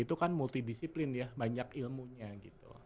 itu kan multidisiplin ya banyak ilmunya gitu